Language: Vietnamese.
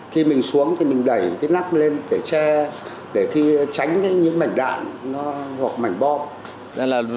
khi mình xuống thì mình đẩy cái nắp lên để che để khi tránh những mảnh đạn nó hoặc mảnh bom